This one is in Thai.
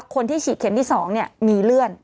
ว่าคนที่ฉีดเค็มที่๒เนี่ยมีเลื่อน